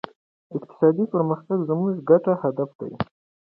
اقتصادي پرمختګ زموږ ګډ هدف دی.